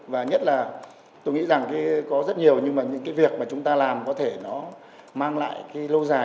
và nhất là tôi nghĩ rằng có rất nhiều nhưng mà những cái việc mà chúng ta làm có thể nó mang lại cái lâu dài